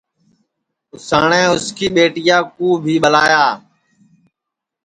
اُساٹؔے اُس کی ٻیٹیا کُو بھی ٻلایا